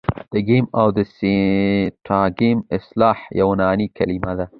تګمیم او د سینټاګم اصطلاح یوناني کلیمې دي.